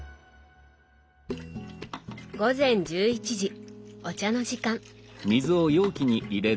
午前１１時お茶の時間。